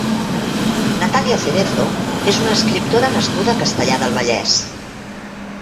Natàlia Cerezo és una escriptora nascuda a Castellar del Vallès.